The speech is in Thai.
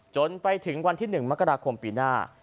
จนไปถึงวันที่๑มกราคมปีหน้า